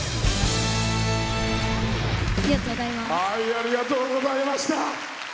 ありがとうございます。